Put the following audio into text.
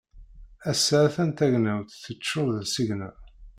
Ass-a a-t-an tagnawt teččur d asigna.